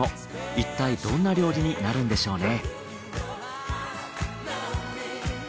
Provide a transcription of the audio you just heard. いったいどんな料理になるんでしょうね？